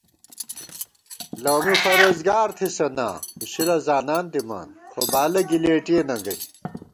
لؤ می فرېزگار تھِسہ نا ، اِشِلہ زانان دِمان ، خو بالہ گِلېٹئیے ننگئ